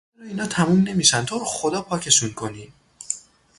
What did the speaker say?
چرا اینا تموم نمیشن تو رو خدا پاکشون کنین